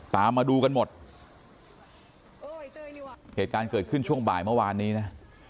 ตามมาดูกันหมดโอ้ยเหตุการณ์เกิดขึ้นช่วงบ่ายเมื่อวานนี้นะ